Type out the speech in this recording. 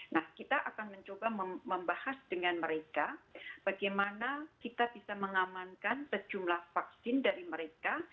nah kita akan mencoba membahas dengan mereka bagaimana kita bisa mengamankan sejumlah vaksin dari mereka